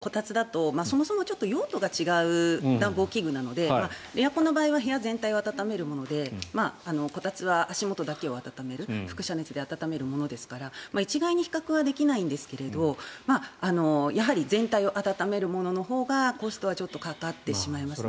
エアコンとこたつだとそもそも用途が違う暖房器具なのでエアコンは部屋ん全体を温めるものでこたつは足元だけを温める輻射熱で温めるものですから一概に比較はできないですがやはり全体を暖めるもののほうがコストはかかるかなと思います。